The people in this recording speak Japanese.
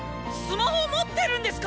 魔ホ持ってるんですか